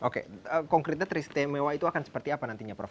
oke konkretnya teristimewa itu akan seperti apa nantinya prof